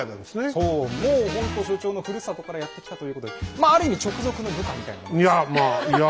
そうもうほんと所長のふるさとからやって来たということでまあある意味直属の部下みたいなことです。